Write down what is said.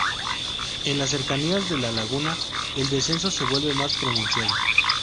En las cercanías de la laguna el descenso se vuelve más pronunciado.